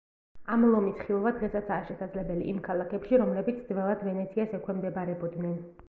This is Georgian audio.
ამ ლომის ხილვა დღესაცაა შესაძლებელი იმ ქალაქებში, რომლებიც ძველად ვენეციას ექვემდებარებოდნენ.